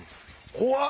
怖っ！